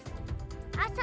terima kasih kang